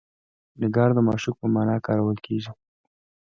نګار د معشوق په معنی کارول کیږي.